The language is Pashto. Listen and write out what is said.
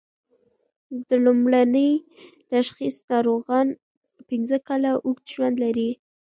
د لومړني تشخیص ناروغان پنځه کاله اوږد ژوند لري.